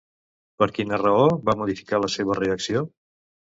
Per quina raó va modificar la seva reacció?